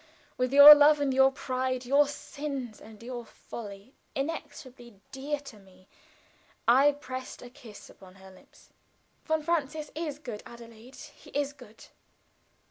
With your love and your pride, your sins and your folly, inexpressibly dear to me! I pressed a kiss upon her lips. "Von Francius is good, Adelaide; he is good."